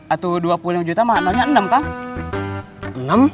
atau dua puluh lima juta mah nolnya enam kang